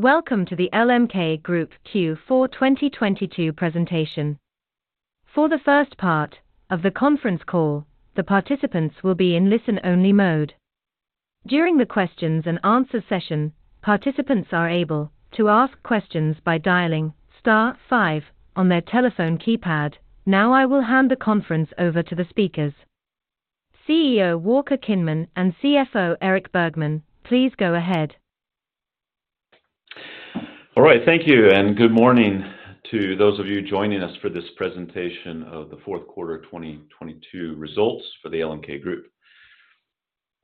Welcome to the LMK Group Q4 2022 presentation. For the first part of the conference call, the participants will be in listen-only mode. During the questions and answer session, participants are able to ask questions by dialing star five on their telephone keypad. I will hand the conference over to the speakers. CEO Walker Kinman and CFO Erik Bergman, please go ahead. Thank you, good morning to those of you joining us for this presentation of the fourth quarter of 2022 results for the LMK Group.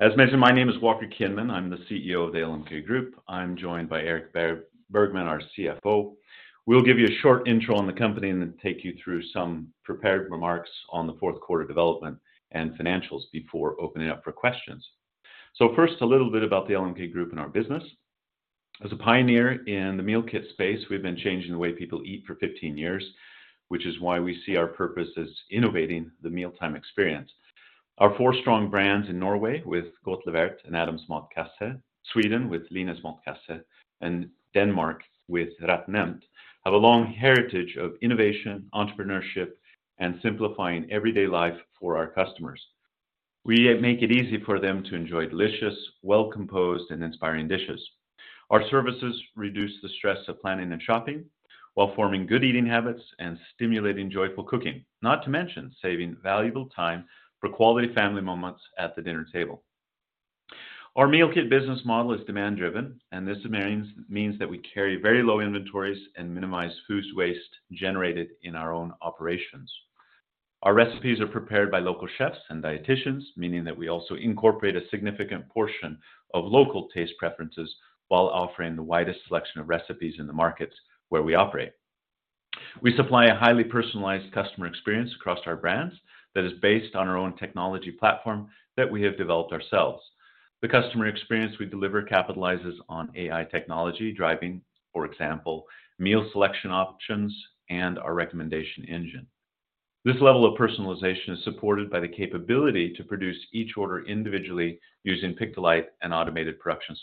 As mentioned, my name is Walker Kinman. I'm the CEO of the LMK Group. I'm joined by Erik Bergman, our CFO. We'll give you a short intro on the company and then take you through some prepared remarks on the fourth quarter development and financials before opening up for questions. First, a little bit about the LMK Group and our business. As a pioneer in the meal kit space, we've been changing the way people eat for 15 years, which is why we see our purpose as innovating the mealtime experience. Our four strong brands in Norway with Godtlevert and Adams Matkasse, Sweden with Linas Matkasse, and Denmark with RetNemt have a long heritage of innovation, entrepreneurship, and simplifying everyday life for our customers. We make it easy for them to enjoy delicious, well-composed, and inspiring dishes. Our services reduce the stress of planning and shopping while forming good eating habits and stimulating joyful cooking, not to mention saving valuable time for quality family moments at the dinner table. Our meal kit business model is demand-driven, and this means that we carry very low inventories and minimize food waste generated in our own operations. Our recipes are prepared by local chefs and dietitians, meaning that we also incorporate a significant portion of local taste preferences while offering the widest selection of recipes in the markets where we operate. We supply a highly personalized customer experience across our brands that is based on our own technology platform that we have developed ourselves. The customer experience we deliver capitalizes on AI technology driving, for example, meal selection options and our recommendation engine. This level of personalization is supported by the capability to produce each order individually using Pick-to-Light and automated production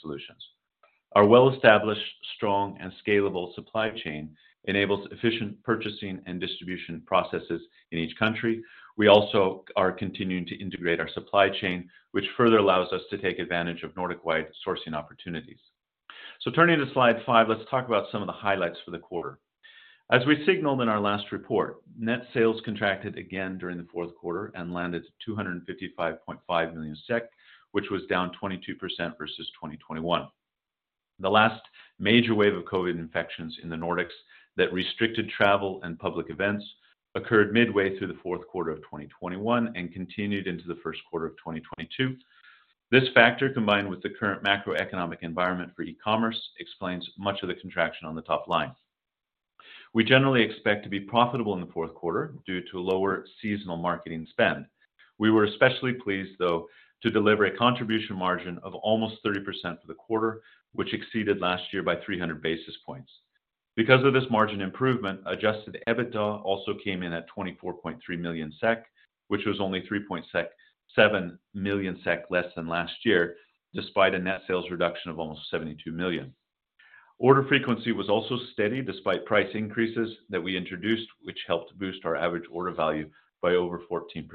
solutions. Our well-established, strong, and scalable supply chain enables efficient purchasing and distribution processes in each country. We also are continuing to integrate our supply chain, which further allows us to take advantage of Nordic-wide sourcing opportunities. Turning to slide five, let's talk about some of the highlights for the quarter. As we signaled in our last report, net sales contracted again during the fourth quarter and landed at 255.5 million SEK, which was down 22% versus 2021. The last major wave of COVID infections in the Nordics that restricted travel and public events occurred midway through the fourth quarter of 2021 and continued into the first quarter of 2022. This factor, combined with the current macroeconomic environment for e-commerce, explains much of the contraction on the top line. We generally expect to be profitable in the fourth quarter due to a lower seasonal marketing spend. We were especially pleased, though, to deliver a contribution margin of almost 30% for the quarter, which exceeded last year by 300 basis points. Because of this margin improvement, adjusted EBITDA also came in at 24.3 million SEK, which was only 3.7 million SEK less than last year, despite a net sales reduction of almost 72 million. Order frequency was steady despite price increases that we introduced, which helped boost our average order value by over 14%.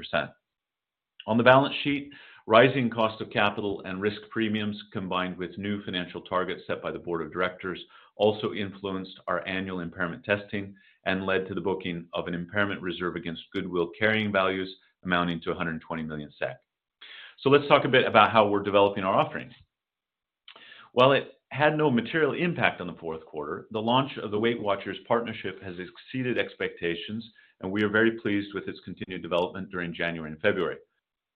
On the balance sheet, rising cost of capital and risk premiums, combined with new financial targets set by the board of directors, also influenced our annual impairment testing and led to the booking of an impairment reserve against goodwill carrying values amounting to 120 million SEK. Let's talk a bit about how we're developing our offerings. While it had no material impact on the fourth quarter, the launch of the WeightWatchers partnership has exceeded expectations, and we are very pleased with its continued development during January and February.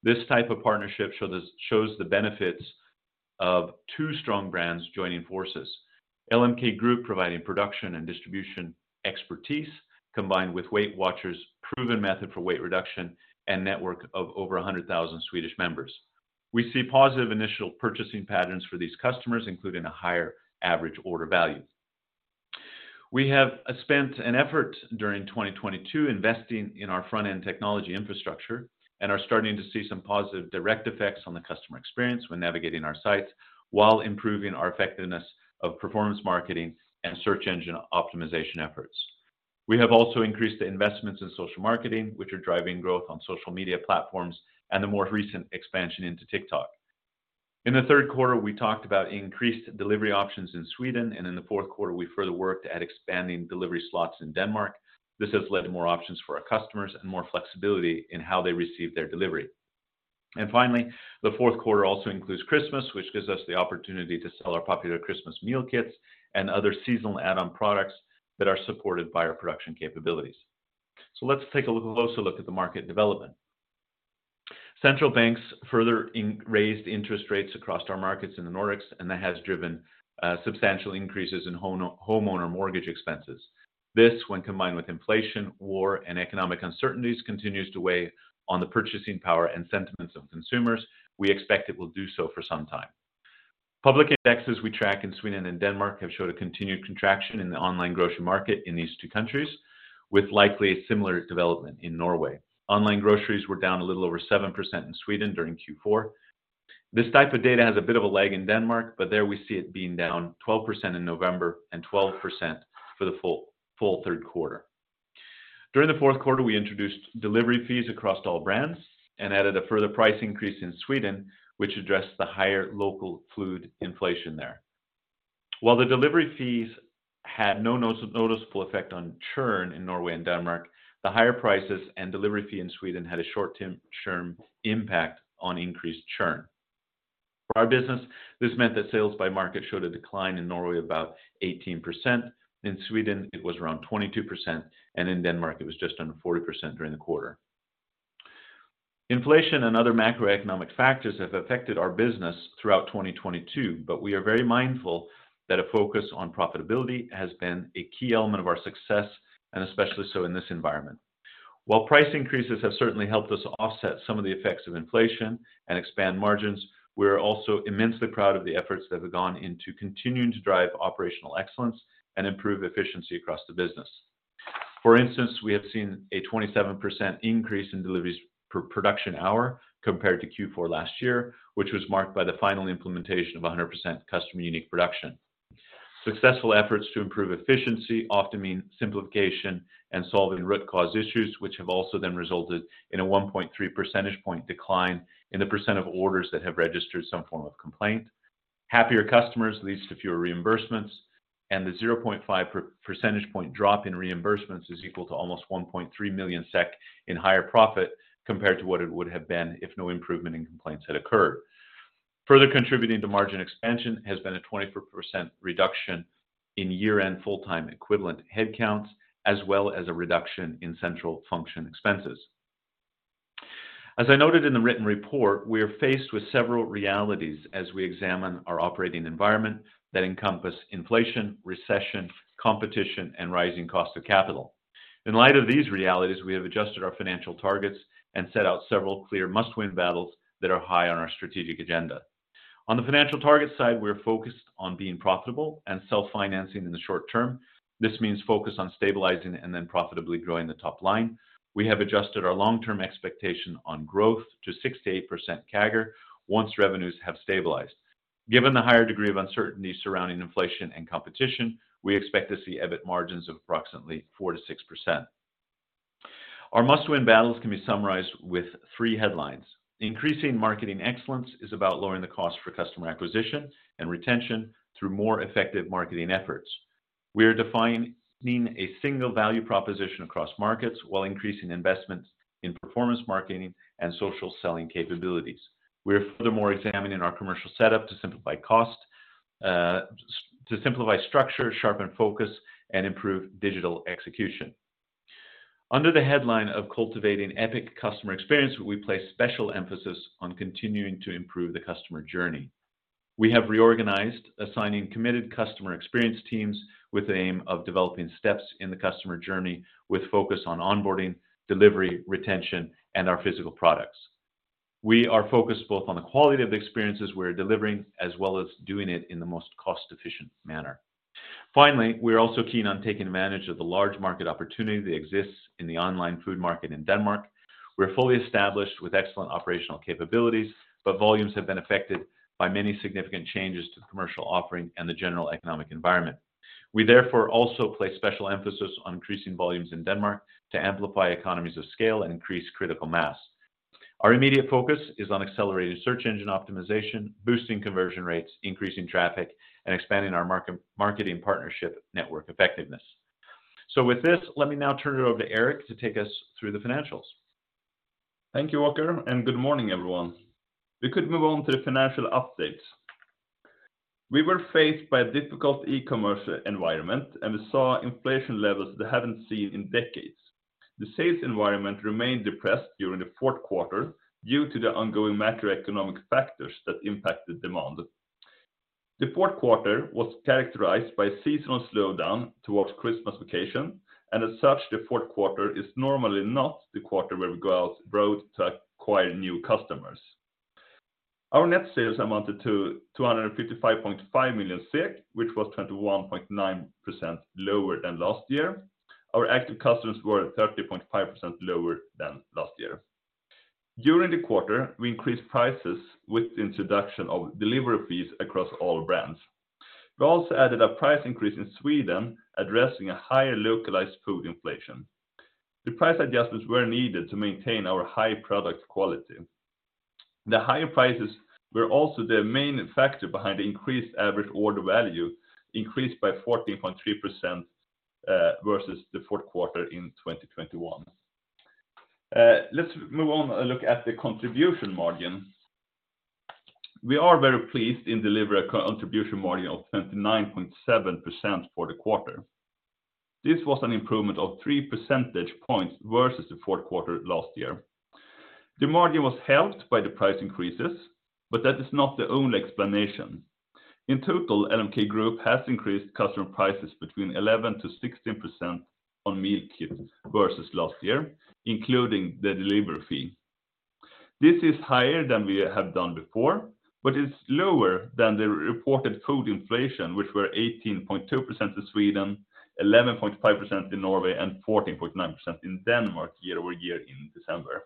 This type of partnership shows the benefits of two strong brands joining forces. LMK Group providing production and distribution expertise combined with WeightWatchers' proven method for weight reduction and network of over 100,000 Swedish members. We see positive initial purchasing patterns for these customers, including a higher average order value. We have spent an effort during 2022 investing in our front-end technology infrastructure and are starting to see some positive direct effects on the customer experience when navigating our sites while improving our effectiveness of performance marketing and search engine optimization efforts. We have also increased the investments in social marketing, which are driving growth on social media platforms and the more recent expansion into TikTok. In the third quarter, we talked about increased delivery options in Sweden, and in the fourth quarter we further worked at expanding delivery slots in Denmark. This has led to more options for our customers and more flexibility in how they receive their delivery. Finally, the fourth quarter also includes Christmas, which gives us the opportunity to sell our popular Christmas meal kits and other seasonal add-on products that are supported by our production capabilities. Let's take a closer look at the market development. Central banks further increased interest rates across our markets in the Nordics, and that has driven substantial increases in homeowner mortgage expenses. This, when combined with inflation, war, and economic uncertainties, continues to weigh on the purchasing power and sentiments of consumers. We expect it will do so for some time. Public indexes we track in Sweden and Denmark have showed a continued contraction in the online grocery market in these two countries, with likely a similar development in Norway. Online groceries were down a little over 7% in Sweden during Q4. This type of data has a bit of a lag in Denmark, but there we see it being down 12% in November and 12% for the full third quarter. During the fourth quarter, we introduced delivery fees across all brands and added a further price increase in Sweden, which addressed the higher local food inflation there. While the delivery fees had no noticeable effect on churn in Norway and Denmark, the higher prices and delivery fee in Sweden had a short-term churn impact on increased churn. For our business, this meant that sales by market showed a decline in Norway about 18%. In Sweden, it was around 22%, and in Denmark it was just under 40% during the quarter. Inflation and other macroeconomic factors have affected our business throughout 2022, but we are very mindful that a focus on profitability has been a key element of our success, and especially so in this environment. While price increases have certainly helped us offset some of the effects of inflation and expand margins, we are also immensely proud of the efforts that have gone into continuing to drive operational excellence and improve efficiency across the business. For instance, we have seen a 27% increase in deliveries per production hour compared to Q4 last year, which was marked by the final implementation of 100% customer unique production. Successful efforts to improve efficiency often mean simplification and solving root cause issues, which have also then resulted in a 1.3 percentage point decline in the percent of orders that have registered some form of complaint. Happier customers leads to fewer reimbursements. The 0.5 percentage point drop in reimbursements is equal to almost 1.3 million SEK in higher profit compared to what it would have been if no improvement in complaints had occurred. Further contributing to margin expansion has been a 24% reduction in year-end full-time equivalent headcounts, as well as a reduction in central function expenses. As I noted in the written report, we are faced with several realities as we examine our operating environment that encompass inflation, recession, competition, and rising cost of capital. In light of these realities, we have adjusted our financial targets and set out several clear must-win battles that are high on our strategic agenda. On the financial target side, we are focused on being profitable and self-financing in the short term. This means focus on stabilizing and then profitably growing the top line. We have adjusted our long-term expectation on growth to 6%-8% CAGR once revenues have stabilized. Given the higher degree of uncertainty surrounding inflation and competition, we expect to see EBIT margins of approximately 4%-6%. Our must-win battles can be summarized with three headlines. Increasing marketing excellence is about lowering the cost for customer acquisition and retention through more effective marketing efforts. We are defining a single value proposition across markets while increasing investments in performance marketing and social selling capabilities. We are furthermore examining our commercial setup to simplify cost to simplify structure, sharpen focus, and improve digital execution. Under the headline of cultivating epic customer experience, we place special emphasis on continuing to improve the customer journey. We have reorganized, assigning committed customer experience teams with the aim of developing steps in the customer journey with focus on onboarding, delivery, retention, and our physical products. We are focused both on the quality of the experiences we're delivering, as well as doing it in the most cost-efficient manner. Finally, we are also keen on taking advantage of the large market opportunity that exists in the online food market in Denmark. We're fully established with excellent operational capabilities, but volumes have been affected by many significant changes to the commercial offering and the general economic environment. We therefore also place special emphasis on increasing volumes in Denmark to amplify economies of scale and increase critical mass. Our immediate focus is on accelerated search engine optimization, boosting conversion rates, increasing traffic, and expanding our marketing partnership network effectiveness. With this, let me now turn it over to Erik to take us through the financials. Thank you, Walker. Good morning, everyone. We could move on to the financial updates. We were faced by a difficult e-commerce environment. We saw inflation levels that haven't seen in decades. The sales environment remained depressed during the fourth quarter due to the ongoing macroeconomic factors that impacted demand. The fourth quarter was characterized by a seasonal slowdown towards Christmas vacation. As such, the fourth quarter is normally not the quarter where we go out road to acquire new customers. Our net sales amounted to 255.5 million SEK, which was 21.9% lower than last year. Our active customers were 30.5% lower than last year. During the quarter, we increased prices with the introduction of delivery fees across all brands. We also added a price increase in Sweden, addressing a higher localized food inflation. The price adjustments were needed to maintain our high product quality. The higher prices were also the main factor behind the increased average order value, increased by 14.3% versus the fourth quarter in 2021. Let's move on and look at the contribution margin. We are very pleased in delivery co-contribution margin of 29.7% for the quarter. This was an improvement of 3 percentage points versus the fourth quarter last year. The margin was helped by the price increases, but that is not the only explanation. In total, LMK Group has increased customer prices between 11%-16% on meal kits versus last year, including the delivery fee. This is higher than we have done before, it's lower than the reported food inflation, which were 18.2% in Sweden, 11.5% in Norway, and 14.9% in Denmark year-over-year in December.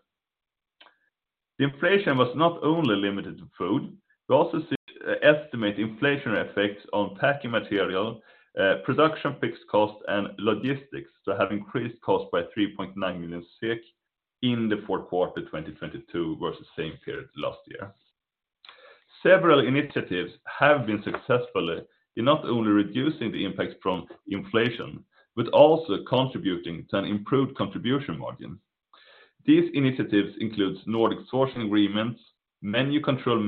The inflation was not only limited to food. We also see estimate inflationary effects on packing material, production fixed cost, and logistics that have increased cost by 3.9 million in the fourth quarter 2022 versus same period last year. Several initiatives have been successful in not only reducing the impact from inflation, but also contributing to an improved contribution margin. These initiatives includes Nordic sourcing agreements, menu control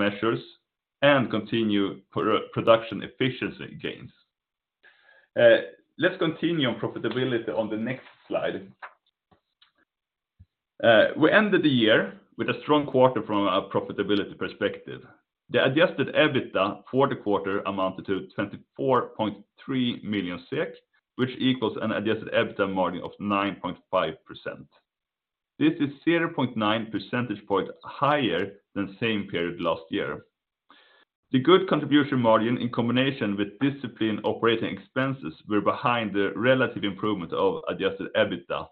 measures, and continued pro-production efficiency gains. Let's continue on profitability on the next slide. We ended the year with a strong quarter from a profitability perspective. The adjusted EBITDA for the quarter amounted to 24.3 million SEK, which equals an adjusted EBITDA margin of 9.5%. This is 0.9 percentage point higher than same period last year. The good contribution margin, in combination with disciplined operating expenses, were behind the relative improvement of adjusted EBITDA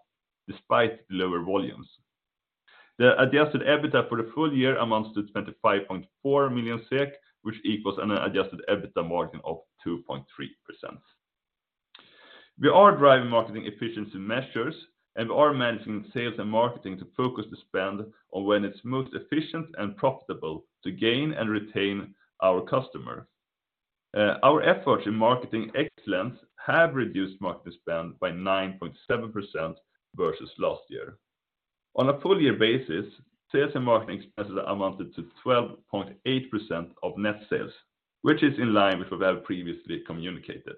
despite lower volumes. The adjusted EBITDA for the full year amounts to 25.4 million SEK, which equals an adjusted EBITDA margin of 2.3%. We are driving marketing efficiency measures and we are managing sales and marketing to focus the spend on when it's most efficient and profitable to gain and retain our customers. Our efforts in marketing excellence have reduced marketing spend by 9.7% versus last year. On a full year basis, sales and marketing expenses amounted to 12.8% of net sales, which is in line with what we have previously communicated.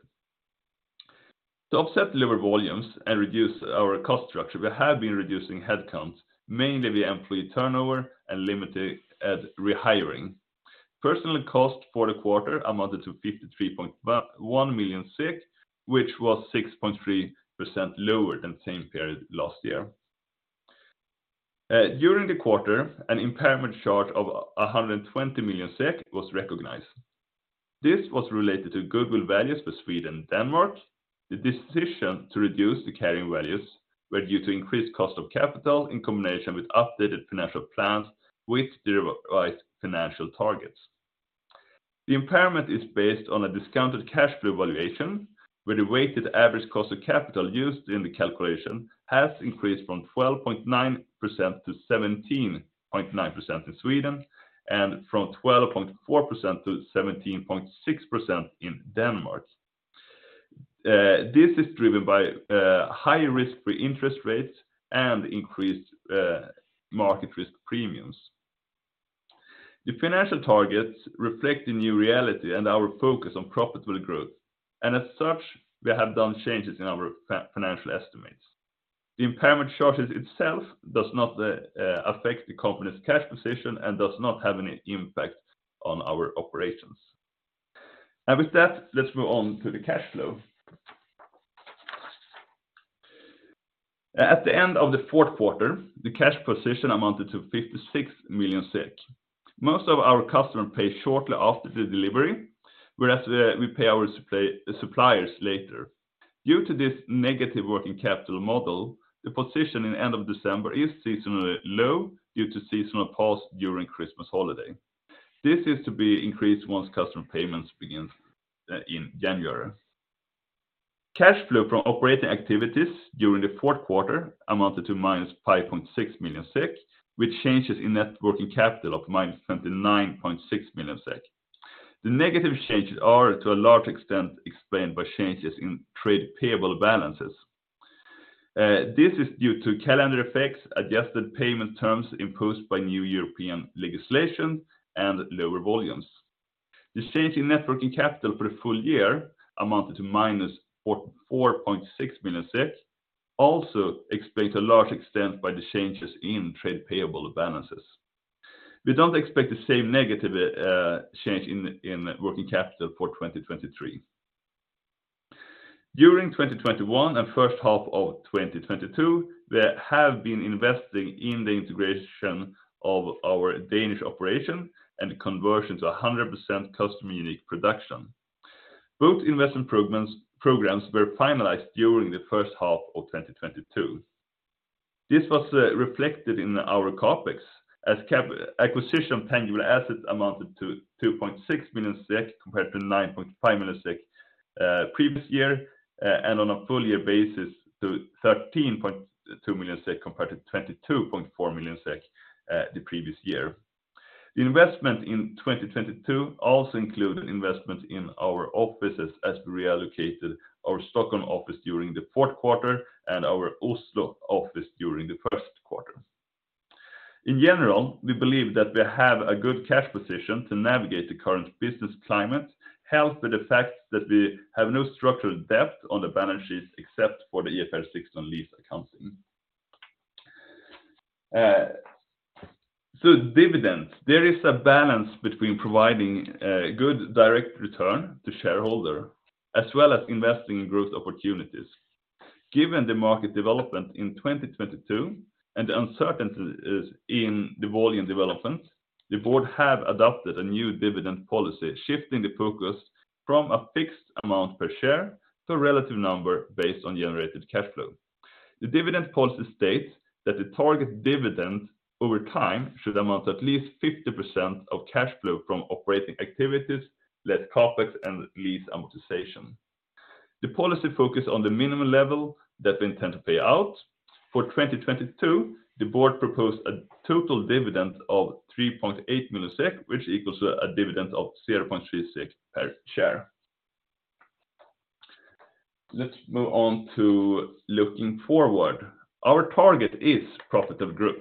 To offset lower volumes and reduce our cost structure, we have been reducing headcount, mainly via employee turnover and limiting rehiring. Personnel cost for the quarter amounted to 53.1 million, which was 6.3% lower than the same period last year. During the quarter, an impairment charge of 120 million SEK was recognized. This was related to goodwill values for Sweden and Denmark. The decision to reduce the carrying values were due to increased cost of capital in combination with updated financial plans with the revised financial targets. The impairment is based on a discounted cash flow valuation, where the weighted average cost of capital used in the calculation has increased from 12.9% to 17.9% in Sweden and from 12.4% to 17.6% in Denmark. This is driven by high risk-free interest rates and increased market risk premiums. The financial targets reflect the new reality and our focus on profitable growth, and as such, we have done changes in our financial estimates. The impairment charges itself does not affect the company's cash position and does not have any impact on our operations. With that, let's move on to the Cash Flow. At the end of the fourth quarter, the cash position amounted to 56 million SEK. Most of our customers pay shortly after the delivery, whereas we pay our suppliers later. Due to this negative working capital model, the position in the end of December is seasonally low due to seasonal pause during Christmas holiday. This is to be increased once customer payments begins in January. Cash flow from operating activities during the fourth quarter amounted to -5.6 million SEK, with changes in net working capital of -29.6 million SEK. The negative changes are, to a large extent, explained by changes in trade payable balances. This is due to calendar effects, adjusted payment terms imposed by new European legislation, and lower volumes. The change in net working capital for the full year amounted to -4.6 million SEK, also explained to a large extent by the changes in trade payable balances. We don't expect the same negative change in working capital for 2023. During 2021 and first half of 2022, we have been investing in the integration of our Danish operation and conversion to 100% customer unique production. Both investment programs were finalized during the first half of 2022. This was reflected in our CapEx as acquisition of tangible assets amounted to 2.6 million SEK compared to 9.5 million SEK previous year, and on a full year basis to 13.2 million SEK compared to 22.4 million SEK the previous year. The investment in 2022 also included investment in our offices as we reallocated our Stockholm office during the fourth quarter and our Oslo office during the first quarter. In general, we believe that we have a good cash position to navigate the current business climate, helped with the fact that we have no structured debt on the balance sheet except for the IFRS 16 on lease accounting. So dividend, there is a balance between providing a good direct return to shareholder, as well as investing in growth opportunities. Given the market development in 2022 and the uncertainties in the volume development, the board have adopted a new dividend policy, shifting the focus from a fixed amount per share to a relative number based on generated cash flow. The dividend policy states that the target dividend over time should amount to at least 50% of cash flow from operating activities, less CapEx and lease amortization. The policy focus on the minimum level that we intend to pay out. For 2022, the board proposed a total dividend of 3.8 million SEK, which equals a dividend of 0.3 SEK per share. Let's move on to looking forward. Our target is profitable growth.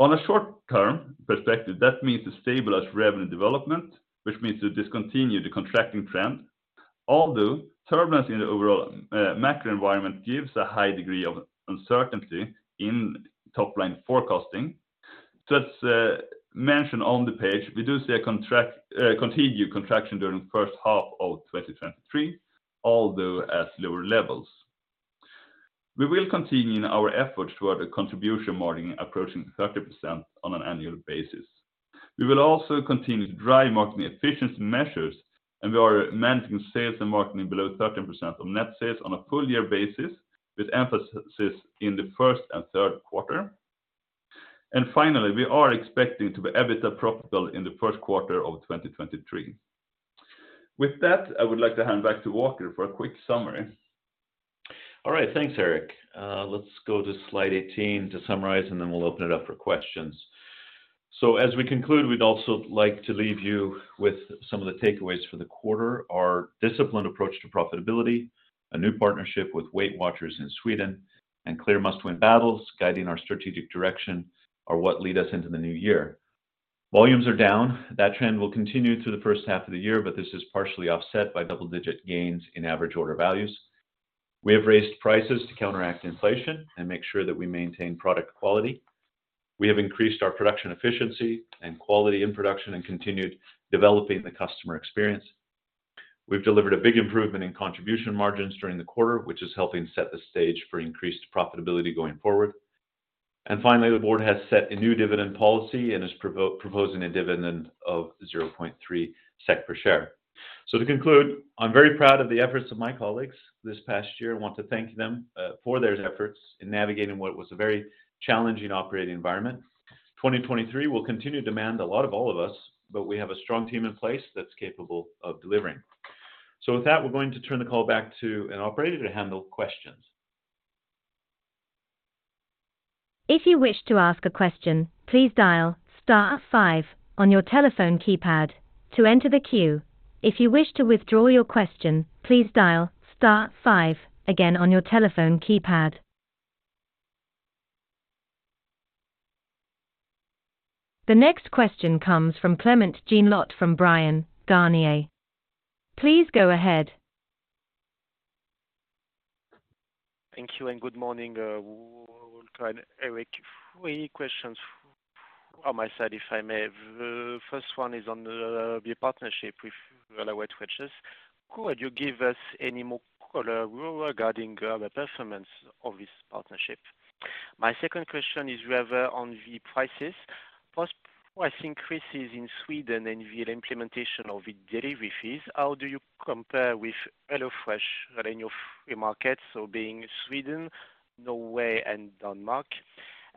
On a short-term perspective, that means to stabilize revenue development, which means to discontinue the contracting trend. Although turbulence in the overall macro environment gives a high degree of uncertainty in top-line forecasting. As mentioned on the page, we do see a continued contraction during first half of 2023, although at lower levels. We will continue in our efforts toward a contribution margin approaching 30% on an annual basis. We will also continue to drive marketing efficiency measures, and we are managing sales and marketing below 13% of net sales on a full year basis, with emphasis in the first and third quarter. Finally, we are expecting to be EBITDA profitable in the first quarter of 2023. With that, I would like to hand back to Walker for a quick summary. All right. Thanks, Erik. Let's go to slide 18 to summarize, and then we'll open it up for questions. As we conclude, we'd also like to leave you with some of the takeaways for the quarter. Our disciplined approach to profitability, a new partnership with WeightWatchers in Sweden, and clear must-win battles guiding our strategic direction are what lead us into the new year. Volumes are down. That trend will continue through the first half of the year, but this is partially offset by double-digit gains in average order values. We have raised prices to counteract inflation and make sure that we maintain product quality. We have increased our production efficiency and quality in production and continued developing the customer experience. We've delivered a big improvement in contribution margins during the quarter, which is helping set the stage for increased profitability going forward. Finally, the board has set a new dividend policy and is proposing a dividend of 0.3 SEK per share. To conclude, I'm very proud of the efforts of my colleagues this past year. I want to thank them for their efforts in navigating what was a very challenging operating environment. 2023 will continue to demand a lot of all of us, but we have a strong team in place that's capable of delivering. With that, we're going to turn the call back to an operator to handle questions. If you wish to ask a question, please dial star five on your telephone keypad to enter the queue. If you wish to withdraw your question, please dial star five again on your telephone keypad. The next question comes from Clément Genelot from Bryan, Garnier & Co. Please go ahead. Thank you and good morning, Walker and Erik. three questions from my side, if I may. The first one is on the partnership with WeightWatchers. Could you give us any more color regarding the performance of this partnership? My second question is rather on the prices. Post price increases in Sweden and the implementation of the delivery fees, how do you compare with HelloFresh in your free market, so being Sweden, Norway, and Denmark?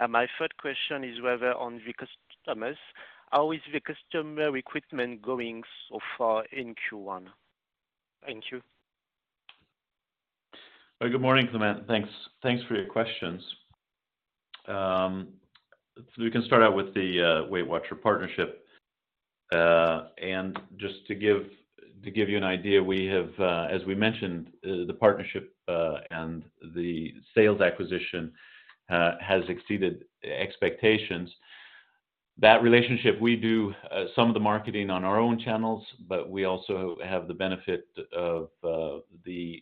My third question is rather on the customers. How is the customer recruitment going so far in Q1? Thank you. Good morning, Clément Genelot. Thanks for your questions. We can start out with the WeightWatchers partnership. Just to give you an idea, we have, as we mentioned, the partnership and the sales acquisition has exceeded expectations. That relationship, we do some of the marketing on our own channels, but we also have the benefit of the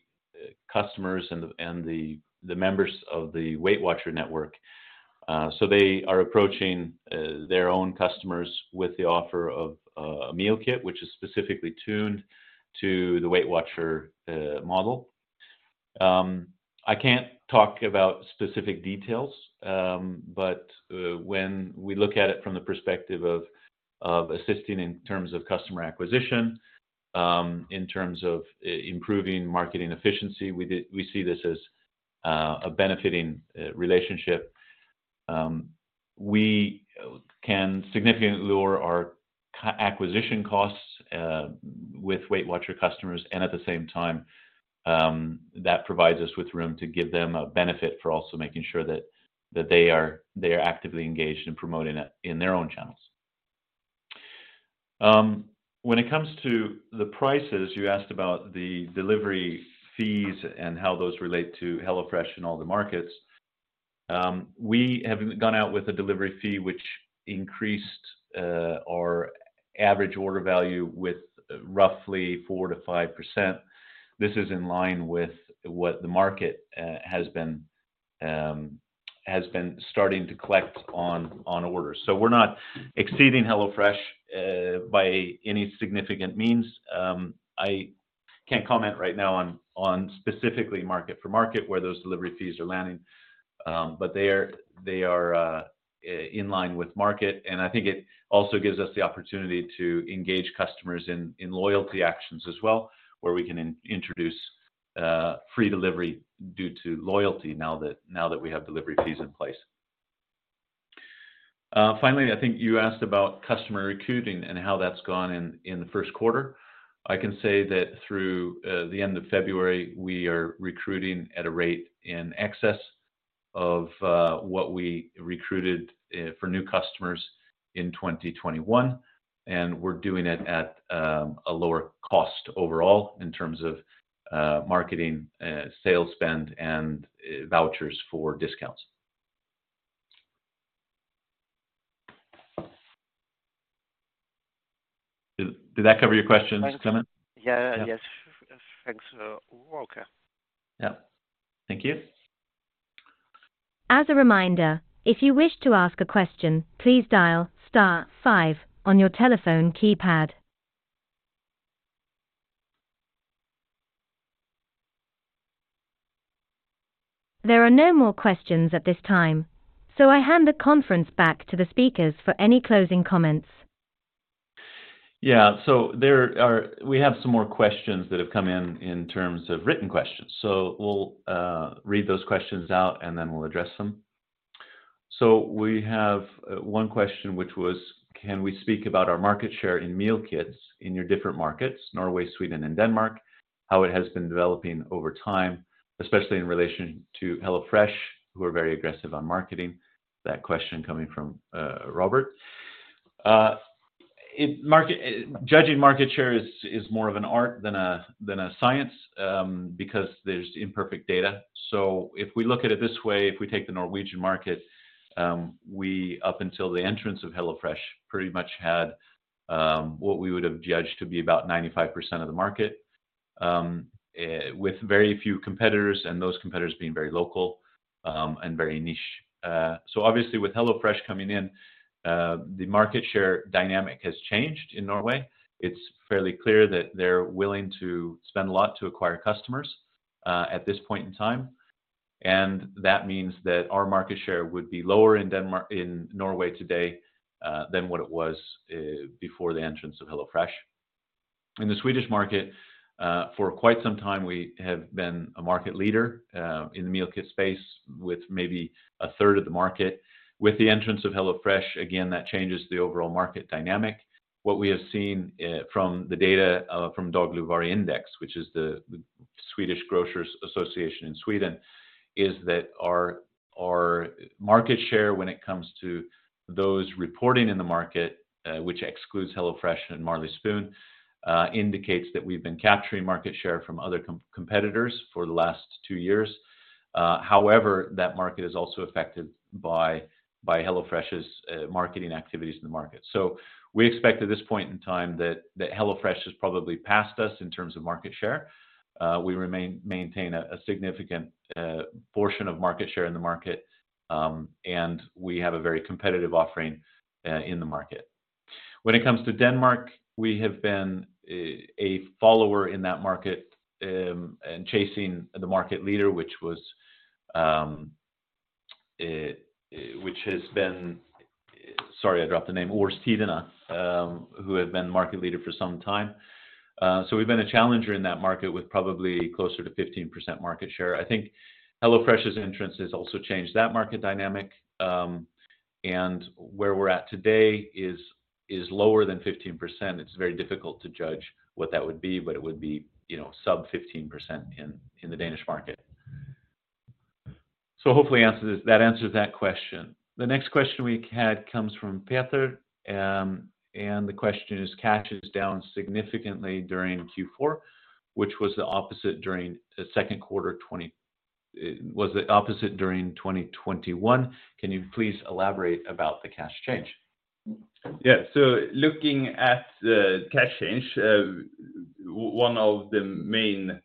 customers and the members of the WeightWatchers network. They are approaching their own customers with the offer of a meal kit, which is specifically tuned to the WeightWatchers model. I can't talk about specific details. When we look at it from the perspective of assisting in terms of customer acquisition, in terms of improving marketing efficiency, we see this as a benefiting relationship. We can significantly lower our acquisition costs with WeightWatchers customers. At the same time, that provides us with room to give them a benefit for also making sure that they are actively engaged in promoting it in their own channels. When it comes to the prices, you asked about the delivery fees and how those relate to HelloFresh in all the markets. We have gone out with a delivery fee which increased our average order value with roughly 4%-5%. This is in line with what the market has been starting to collect on orders. We're not exceeding HelloFresh by any significant means. I can't comment right now on specifically market for market where those delivery fees are landing, but they are in line with market, and I think it also gives us the opportunity to engage customers in loyalty actions as well, where we can introduce free delivery due to loyalty now that we have delivery fees in place. Finally, I think you asked about customer recruiting and how that's gone in the first quarter. I can say that through the end of February, we are recruiting at a rate in excess of what we recruited for new customers in 2021, and we're doing it at a lower cost overall in terms of marketing, sales spend and vouchers for discounts. Did that cover your questions, Clément Genelot? Yeah. Yes. Thanks. Okay. Yeah. Thank you. As a reminder, if you wish to ask a question, please dial star five on your telephone keypad. There are no more questions at this time, so I hand the conference back to the speakers for any closing comments. We have some more questions that have come in in terms of written questions. We'll read those questions out, and then we'll address them. We have one question which was, "Can we speak about our market share in meal kits in your different markets, Norway, Sweden and Denmark, how it has been developing over time, especially in relation to HelloFresh, who are very aggressive on marketing?" That question coming from Robert. Judging market share is more of an art than a science, because there's imperfect data. If we look at it this way, if we take the Norwegian market, we, up until the entrance of HelloFresh, pretty much had what we would have judged to be about 95% of the market, with very few competitors, and those competitors being very local, and very niche. Obviously with HelloFresh coming in, the market share dynamic has changed in Norway. It's fairly clear that they're willing to spend a lot to acquire customers at this point in time, and that means that our market share would be lower in Norway today than what it was before the entrance of HelloFresh. In the Swedish market, for quite some time we have been a market leader in the meal kit space with maybe a 1/3 of the market. With the entrance of HelloFresh, again, that changes the overall market dynamic. What we have seen from the data from Dagligvaruindex, which is the Swedish Food Retailers Federation in Sweden, is that our market share when it comes to those reporting in the market, which excludes HelloFresh and Marley Spoon, indicates that we've been capturing market share from other competitors for the last two years. However, that market is also affected by HelloFresh's marketing activities in the market. We expect at this point in time that HelloFresh has probably passed us in terms of market share. We maintain a significant portion of market share in the market, and we have a very competitive offering in the market. When it comes to Denmark, we have been a follower in that market, and chasing the market leader, which has been Aarstiderne, who have been market leader for some time. We've been a challenger in that market with probably closer to 15% market share. I think HelloFresh's entrance has also changed that market dynamic, and where we're at today is lower than 15%. It's very difficult to judge what that would be, but it would be, you know, sub 15% in the Danish market. Hopefully that answers that question. The next question we had comes from Peter, and the question is, "Cash is down significantly during Q4, which was the opposite during the second quarter 2021. Can you please elaborate about the cash change? Looking at the cash change, one of the main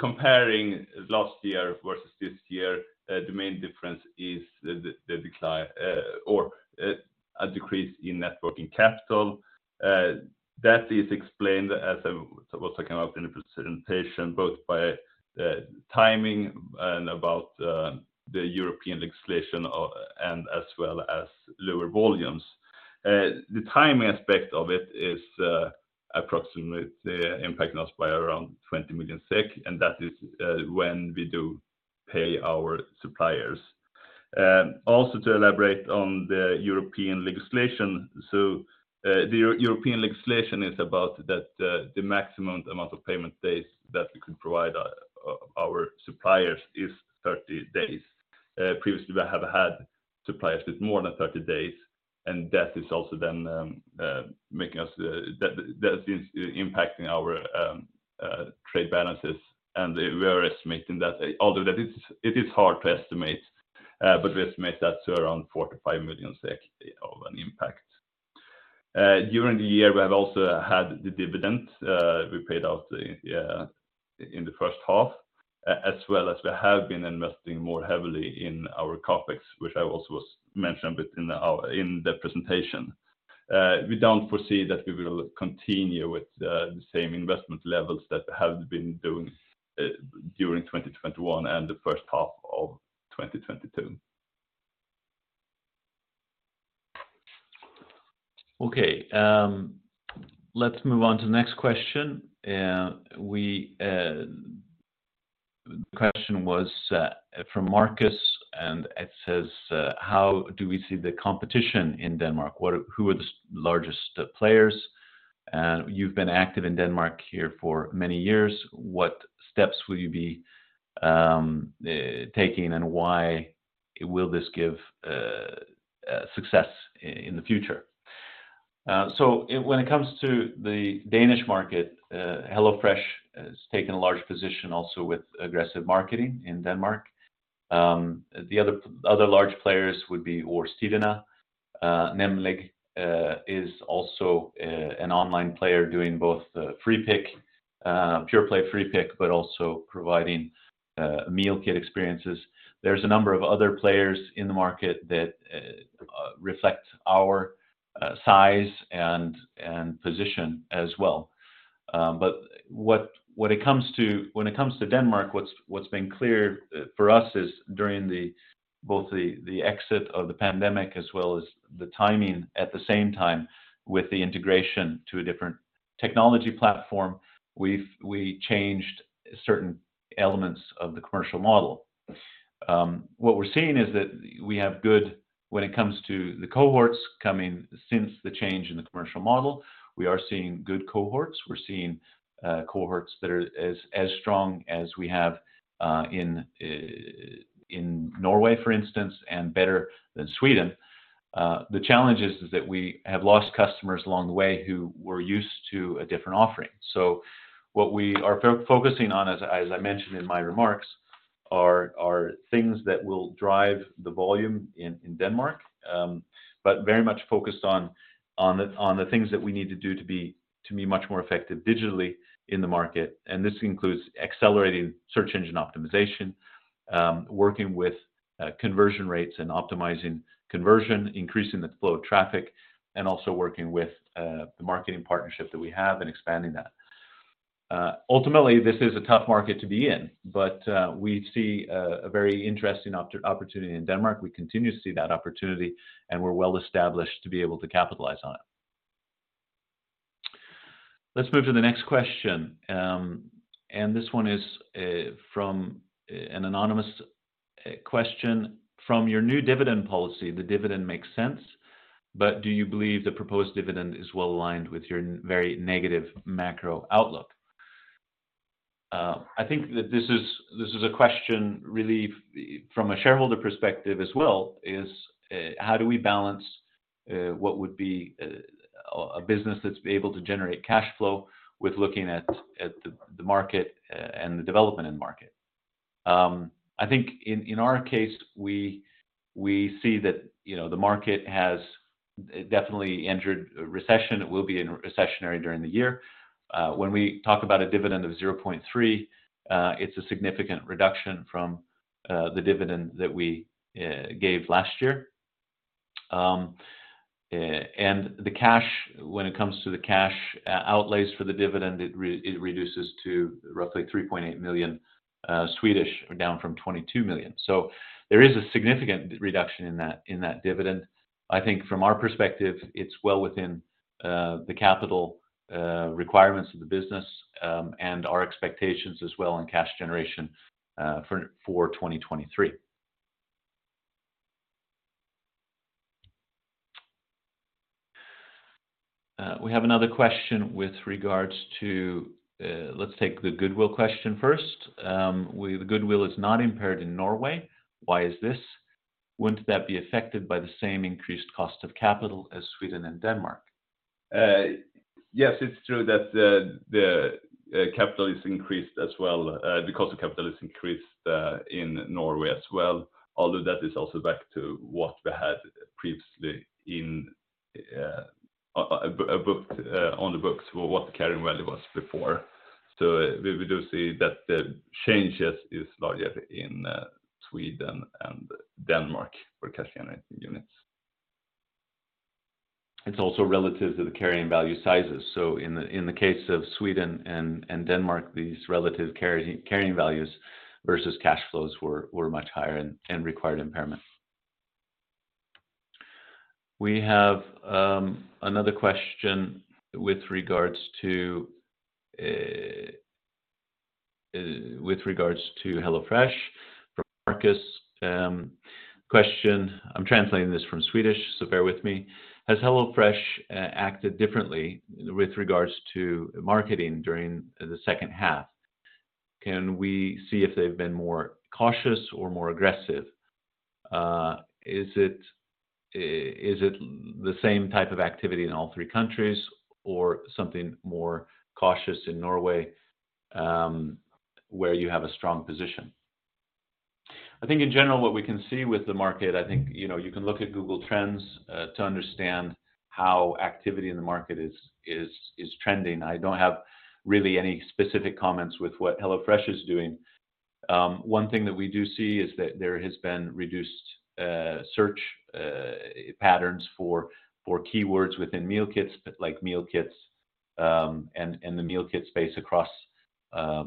comparing last year versus this year, the main difference is the decline or a decrease in net working capital. That is explained as I was talking about in the presentation, both by timing and about the European legislation, and as well as lower volumes. The timing aspect of it is approximately the impact lost by around 20 million SEK, and that is when we do pay our suppliers. Also to elaborate on the European legislation. The European legislation is about that the maximum amount of payment days that we could provide our suppliers is 30 days. Previously we have had suppliers with more than 30 days, and that is also then making us. That is impacting our trade balances. We are estimating that, although it is hard to estimate, but we estimate that to around 45 million SEK of an impact. During the year, we have also had the dividend we paid out in the first half, as well as we have been investing more heavily in our CapEx, which I also was mentioning a bit in the presentation. We don't foresee that we will continue with the same investment levels that have been doing during 2021 and the first half of 2022. Okay. Let's move on to the next question. The question was from Marcus, and it says, "How do we see the competition in Denmark? Who are the largest players? You've been active in Denmark here for many years. What steps will you be taking, and why will this give success in the future?" When it comes to the Danish market, HelloFresh has taken a large position also with aggressive marketing in Denmark. The other large players would be Aarstiderne. nemlig.com is also an online player doing both pure play free pick, but also providing meal kit experiences. There's a number of other players in the market that reflect our size and position as well. When it comes to Denmark, what's been clear for us is during both the exit of the pandemic as well as the timing at the same time with the integration to a different technology platform, we changed certain elements of the commercial model. What we're seeing is that we have good. When it comes to the cohorts coming since the change in the commercial model, we are seeing good cohorts. We're seeing cohorts that are as strong as we have in Norway, for instance, and better than Sweden. The challenge is that we have lost customers along the way who were used to a different offering. What we are focusing on, as I mentioned in my remarks, are things that will drive the volume in Denmark, but very much focused on the things that we need to do to be much more effective digitally in the market. This includes accelerating search engine optimization, working with conversion rates and optimizing conversion, increasing the flow of traffic, and also working with the marketing partnership that we have and expanding that. Ultimately, this is a tough market to be in, but we see a very interesting opportunity in Denmark. We continue to see that opportunity, and we're well established to be able to capitalize on it. Let's move to the next question. This one is from an anonymous question. From your new dividend policy, the dividend makes sense, do you believe the proposed dividend is well aligned with your very negative macro outlook? I think that this is a question really from a shareholder perspective as well, how do we balance what would be a business that's able to generate cash flow with looking at the market and the development in the market? I think in our case, we see that, you know, the market has definitely entered a recession. It will be recessionary during the year. When we talk about a dividend of 0.3, it's a significant reduction from the dividend that we gave last year. When it comes to the cash outlays for the dividend, it reduces to roughly 3.8 million Swedish, down from 22 million. There is a significant reduction in that dividend. I think from our perspective, it's well within the capital requirements of the business and our expectations as well on cash generation for 2023. We have another question with regards to. Let's take the goodwill question first. The goodwill is not impaired in Norway. Why is this? Wouldn't that be affected by the same increased cost of capital as Sweden and Denmark? Yes, it's true that the capital is increased as well. The cost of capital is increased in Norway as well, although that is also back to what we had previously in booked on the books for what the carrying value was before. We do see that the change is larger in Sweden and Denmark for cash generating units. It's also relative to the carrying value sizes. In the, in the case of Sweden and Denmark, these relative carrying values versus cash flows were much higher and required impairment. We have another question with regards to with regards to HelloFresh from Marcus. Question, I'm translating this from Swedish, so bear with me. Has HelloFresh acted differently with regards to marketing during the second half? Can we see if they've been more cautious or more aggressive? Is it the same type of activity in all three countries or something more cautious in Norway, where you have a strong position? In general what we can see with the market, I think, you know, you can look at Google Trends to understand how activity in the market is trending. I don't have really any specific comments with what HelloFresh is doing. One thing that we do see is that there has been reduced search patterns for keywords within meal kits, like meal kits, and the meal kit space across the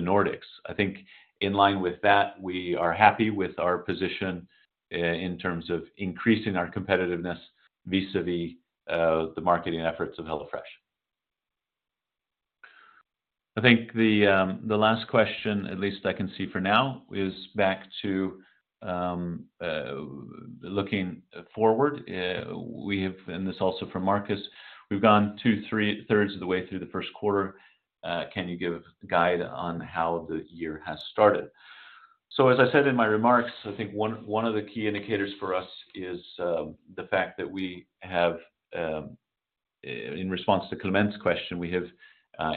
Nordics. I think in line with that, we are happy with our position in terms of increasing our competitiveness vis-a-vis the marketing efforts of HelloFresh. I think the last question, at least I can see for now, is back to looking forward. This also from Marcus, "We've gone two three-thirds of the way through the first quarter. Can you give guide on how the year has started?" As I said in my remarks, I think one of the key indicators for us is, the fact that we have, in response to Clément Genelot's question, we have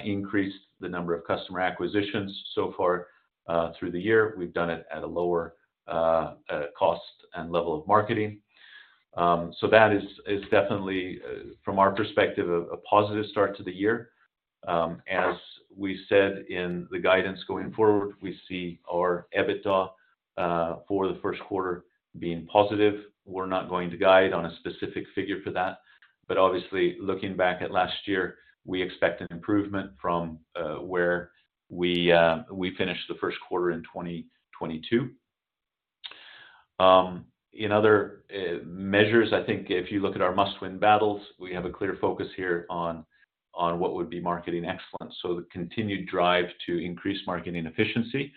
increased the number of customer acquisitions so far through the year. We've done it at a lower cost and level of marketing. That is definitely from our perspective, a positive start to the year. As we said in the guidance going forward, we see our EBITDA for the first quarter being positive. We're not going to guide on a specific figure for that, but obviously, looking back at last year, we expect an improvement from where we finished the first quarter in 2022. In other measures, I think if you look at our must-win battles, we have a clear focus here on what would be marketing excellence. The continued drive to increase marketing efficiency,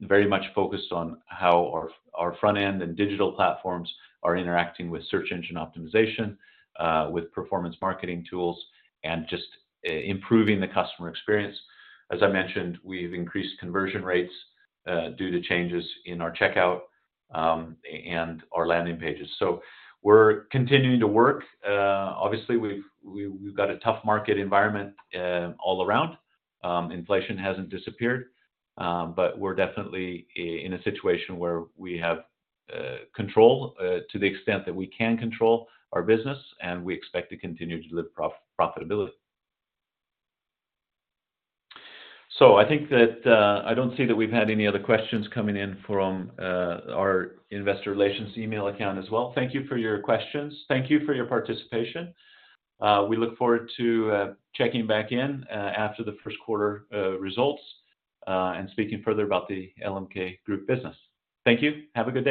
very much focused on how our front-end and digital platforms are interacting with search engine optimization, with performance marketing tools, and just improving the customer experience. As I mentioned, we've increased conversion rates due to changes in our checkout and our landing pages. We're continuing to work. Obviously we've got a tough market environment all around. Inflation hasn't disappeared, but we're definitely in a situation where we have control to the extent that we can control our business, and we expect to continue to deliver profitability. I don't see that we've had any other questions coming in from our investor relations email account as well. Thank you for your questions. Thank you for your participation. We look forward to checking back in after the first quarter results and speaking further about the LMK Group business. Thank you. Have a good day.